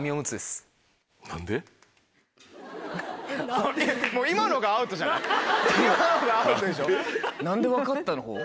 「何で分かった？」のほう。